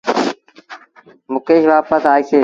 مڪيش وآپس آئيٚسي۔